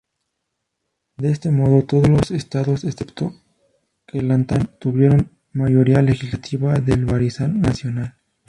De este modo, todos los estados excepto Kelantan tuvieron mayoría legislativa del Barisan Nasional.